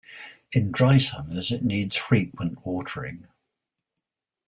In dry summers it needs frequent watering.